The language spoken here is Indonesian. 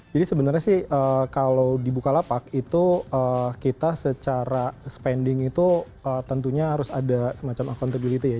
jadi sebenarnya sih kalau di bukalapak itu kita secara spending itu tentunya harus ada semacam accountability ya